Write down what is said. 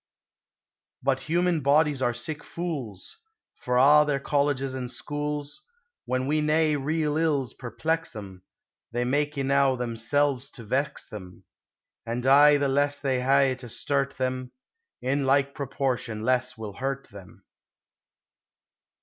But human bodies are sic fools, For a' their colleges an' schools, That when nae real ills perplex them, They mak enow themsels to vex them; An' ay the less they hae to sturt them, In like proportion less will hurt them.